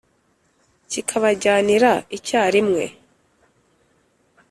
kikabajyanira icyarimwe